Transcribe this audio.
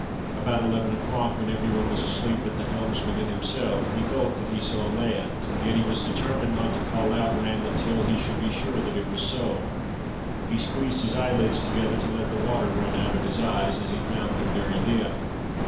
About eleven o'clock, when every one was asleep but the helmsman and himself, he thought that he saw land. Yet he was determined not to call out land until he should be sure that it was so. He squeezed his eyelids together to let the water run out of his eyes, as he found them very dim.